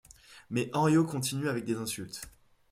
Mais Henriot continue avec des insultes.